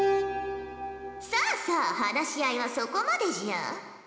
さあさあ話し合いはそこまでじゃ！